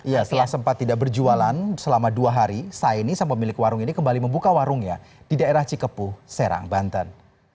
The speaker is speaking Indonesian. ya setelah sempat tidak berjualan selama dua hari saini sang pemilik warung ini kembali membuka warungnya di daerah cikepuh serang banten